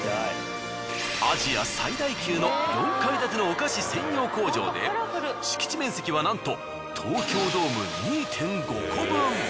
アジア最大級の４階建てのお菓子専用工場で敷地面積はなんと。